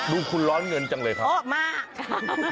ดูคุณร้อนเงินจังเลยครับชอบมากค่ะ